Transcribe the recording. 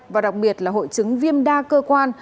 và đặc biệt là hội chứng viêm đa cơ quan